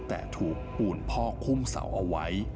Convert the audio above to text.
แต่ถูกปูนพอกหุ้มเสาเอาไว้